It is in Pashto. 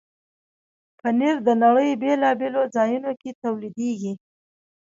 پنېر د نړۍ بیلابیلو ځایونو کې تولیدېږي.